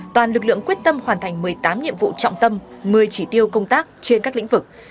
toàn lực lượng quyết tâm hoàn thành một mươi tám nhiệm vụ trọng tâm một mươi chỉ tiêu công tác trên các lĩnh vực